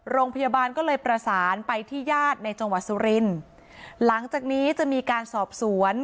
โรงพยาบาลก็เลยประสานไปที่ญาติในจังหวัดสุรินทร์หลังจากนี้จะมีการสอบสวน